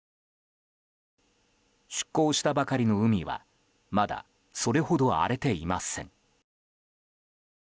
出港したばかりの海はまだ、それほど荒れていません。